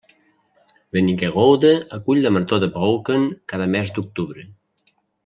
Wernigerode acull la marató del Brocken cada mes d'octubre.